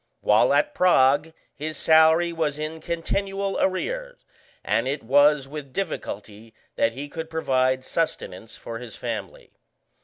While at Prague his salary was in continual arrear, and it was with difficulty that he could provide sustenance for his family.